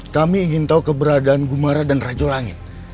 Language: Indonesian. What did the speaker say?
kami ingin tahu keberadaan gumara dan raju langit